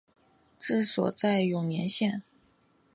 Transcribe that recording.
治所在永年县。